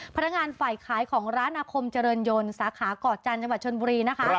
พนักงานฝ่ายขายของร้านอาคมเจริญยนต์สาขาเกาะจันทร์จังหวัดชนบุรีนะคะ